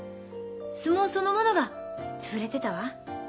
相撲そのものが潰れてたわ。